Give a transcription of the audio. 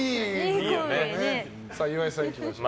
岩井さん、いきましょう。